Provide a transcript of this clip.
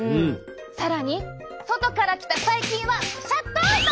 更に外から来た細菌はシャットアウト！